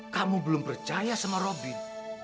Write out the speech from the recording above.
kamu belum percaya sama robin